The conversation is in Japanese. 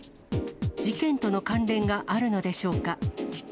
事件との関連があるのでしょうか。